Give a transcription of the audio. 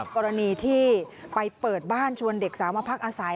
กรณีที่ไปเปิดบ้านชวนเด็กสาวมาพักอาศัย